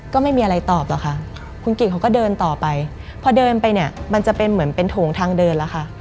ก็ไม่มีอะไรตอบหรอกค่ะคุณกิจเขาก็เดินต่อไปพอเดินไปเนี่ยมันจะเป็นเหมือนเป็นโถงทางเดินแล้วค่ะ